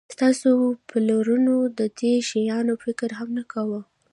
ستاسو پلرونو د دې شیانو فکر هم نه کاوه